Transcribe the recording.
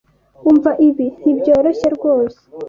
Umva ibi. Nibyoroshye rwose.